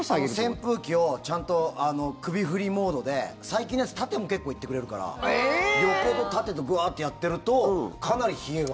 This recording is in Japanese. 扇風機をちゃんと首振りモードで最近のやつ縦も結構行ってくれるから横と縦でぐわーってやってるとかなり冷えが。